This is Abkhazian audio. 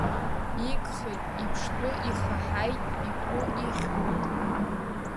Игхеит, иԥштәы ихаҳаит, игәы ихьуеит.